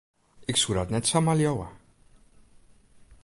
Ik soe dat net samar leauwe.